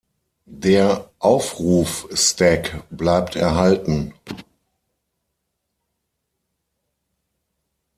Der Aufruf-Stack bleibt erhalten.